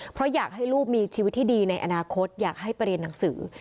เพราะอยากให้ลูกมีชีวิตที่ดีในอนาคตอยากให้ไปเรียนหนังสือ